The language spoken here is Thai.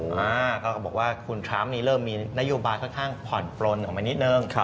เขาก็บอกว่าคุณไทรปน์เริ่มมีนโยบาคค่อนปลนขึ้นไปนิดนึง